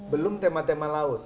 belum tema tema laut